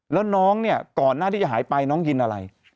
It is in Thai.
แล้วน้องเนี่ยก่อนหน้าที่จะหายไปน้องยินอะไร